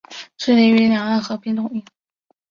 致力于两岸和平统一。